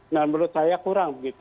dan menurut saya kurang begitu